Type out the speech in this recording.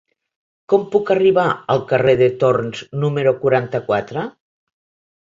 Com puc arribar al carrer de Torns número quaranta-quatre?